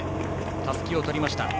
たすきを取りました。